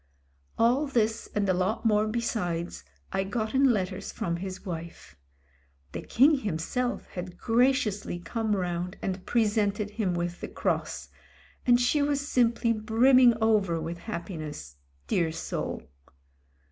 All this and a lot more besides I got in letters from his wife. The King himself had graciously come round and presented him with the cross — and she was simply brimming over with happiness, dear soul.